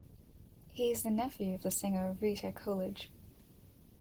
He is the nephew of the singer Rita Coolidge.